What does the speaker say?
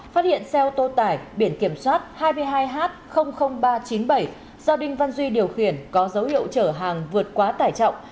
phát hiện xe ô tô tải biển kiểm soát hai mươi hai h ba trăm chín mươi bảy do đinh văn duy điều khiển có dấu hiệu chở hàng vượt quá tải trọng